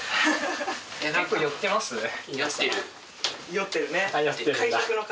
酔ってるね。